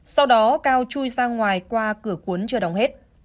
sau đó cao chui ra ngoài qua cửa cuốn chưa đóng hết